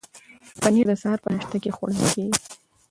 پنیر د سهار په ناشته کې خوړل کیږي.